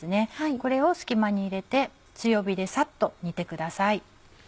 これを隙間に入れて強火でサッと煮てください。